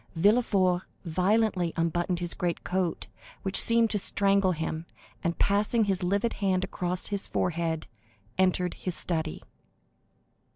Villefort violently unbuttoned his greatcoat, which seemed to strangle him, and passing his livid hand across his forehead, entered his study.